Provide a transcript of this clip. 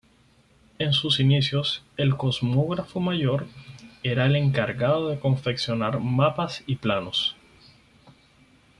En sus inicios, el "Cosmógrafo Mayor" era el encargado de confeccionar mapas y planos.